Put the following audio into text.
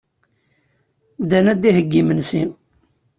Dan ad d-iheyyi imensi.